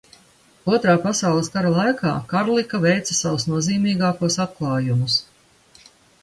Otrā pasaules kara laikā Karlika veica savus nozīmīgākos atklājumus.